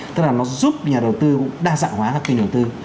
tức là nó giúp nhà đầu tư đa dạng hóa các kênh đầu tư